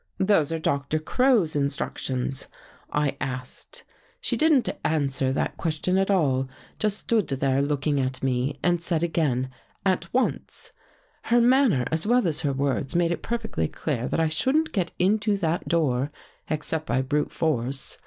"'Those are Doctor Crow's instructions?' I asked. " She didn't answer that question at all. Just stood there looking at me and said again :' At once.' " Her manner, as well as her words, made it per fectly clear that I shouldn't get into that door, ex cept by brute force.